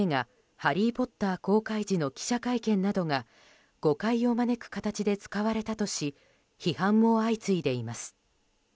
「ハリー・ポッター」公開時の記者会見などが誤解を招く形で使われたとし批判も相次いでいます。